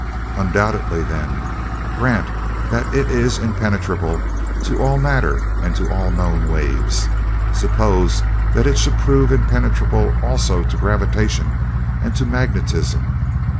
"Undoubtedly, then. Grant that it is impenetrable to all matter and to all known waves. Suppose that it should prove impenetrable also to gravitation and to magnetism?